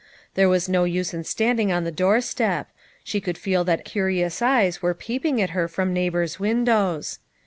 There was no use in standing on the doorstep. She could feel that curious eyes were peeping at her from neighbors' windows.